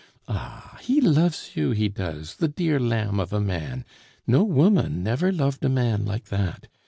Ah! he loves you, he does, the dear lamb of a man; no woman never loved a man like that!